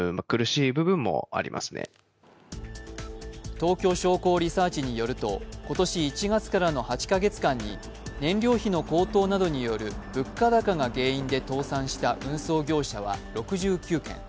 東京商工リサーチによると今年１月からの８か月間に燃料費の高騰などによる物価高が原因で倒産した運送業者は６９件。